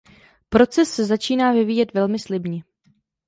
Proces se začíná vyvíjet velmi slibně.